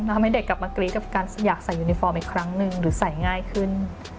ทำให้เด็กกลับมากรี๊ดกับการอยากใส่ยูนิฟอร์มอีกครั้งหนึ่งหรือใส่ง่ายขึ้น